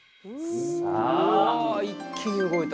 うわ一気に動いた！